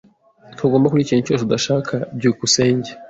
Ntugomba kurya ikintu cyose udashaka. byukusenge